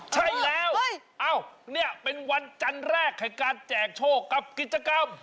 ใช่แล้วนี่เป็นวันจันทร์แรกของการแจกโชคกับกิจกรรม